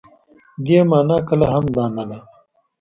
دې مانا کله هم دا نه ده.